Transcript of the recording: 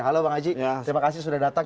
halo bang haji terima kasih sudah datang